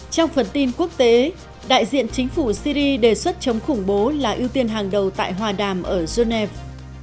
trong phần tin quốc tế đại diện chính phủ syri đề xuất chống khủng bố là ưu tiên hàng đầu tại hòa đàm ở genève